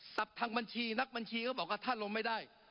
ทางบัญชีนักบัญชีก็บอกว่าถ้าลงไม่ได้